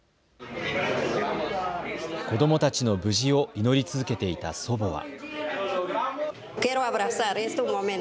子どもたちの無事を祈り続けていた祖母は。